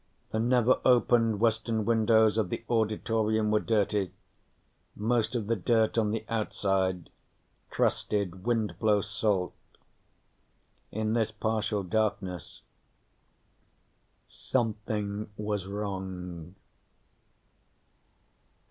The never opened western windows of the auditorium were dirty, most of the dirt on the outside, crusted wind blow salt. In this partial darkness, something was wrong.